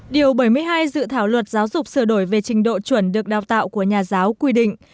điều bảy mươi hai dự thảo luật giáo dục sửa đổi về trình độ chuẩn được đào tạo của nhà giáo quy định